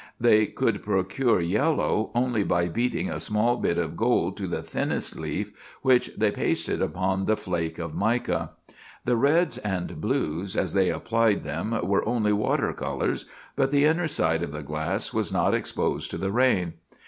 They could procure yellow only by beating a small bit of gold to the thinnest leaf, which they pasted upon the flake of mica. The reds and blues as they applied them were only water colors; but the inner side of the glass was not exposed to the rain.